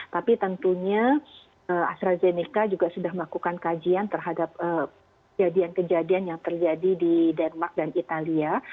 tapi tentunya astrazeneca juga sudah melakukan kajian terhadap kejadian kejadian yang terjadi di denmark dan italia